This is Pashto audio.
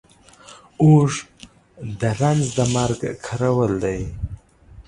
اوږ د رنځ د مرگ کرول دي.